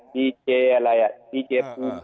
ดีเกย์อะไรดีเกย์ภูมิ